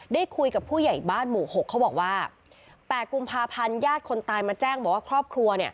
ได้คุยกับผู้ใหญ่บ้านหมู่๖เขาบอกว่า๘กุมภาพันธ์ญาติคนตายมาแจ้งบอกว่าครอบครัว